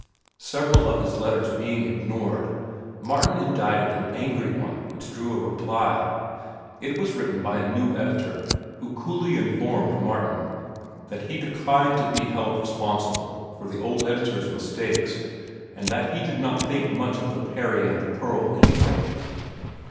Several of his letters being ignored, Martin indicted an angry one which drew a reply. It was written by a new editor, who coolly informed Martin that he declined to be held responsible for the old editor's mistakes, and that he did not think much of "The Peri and the Pearl" anyway.